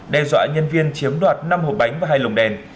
đe dọa nhân viên chiếm đoạt năm hộp bánh và hai lồng đèn